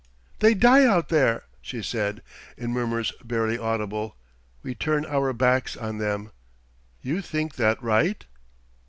"They die out there," she said, in murmurs barely audible.... "We turn our backs on them.... You think that right?"